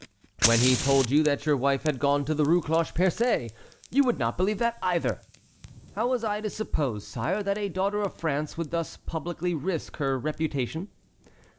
"When he told you that your wife had gone to the Rue Cloche Percée, you would not believe that either!" "How was I to suppose, sire, that a daughter of France would thus publicly risk her reputation?"